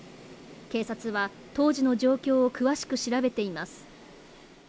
警察は当時の状況を詳しく調べています。